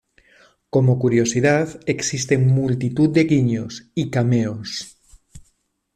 Como curiosidad, existen multitud de guiños y cameos.